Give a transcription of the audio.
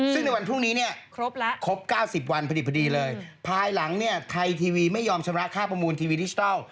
ซึ่งในวันพรุ่งนี้ครบ๙๐วันพอดีเลยภายหลังไทยทีวีไม่ยอมชำระค่าประมูลทีวีดิจิทัล